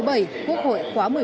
quốc hội khóa một mươi bốn